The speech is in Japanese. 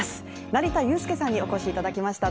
成田悠輔さんにお越しいただきました。